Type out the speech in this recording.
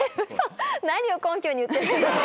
何を根拠に言ってるんですか？